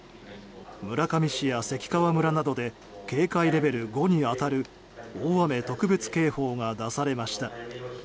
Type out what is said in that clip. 村上市や関川村などで警戒レベル５に当たる大雨特別警報が出されました。